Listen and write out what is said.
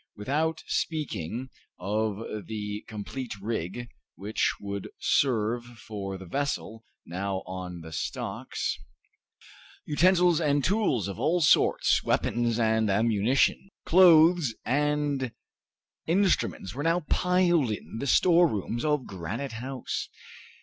Without speaking of the complete rig which would serve for the vessel now on the stocks, utensils and tools of all sorts, weapons and ammunition, clothes and instruments, were now piled in the storerooms of Granite House.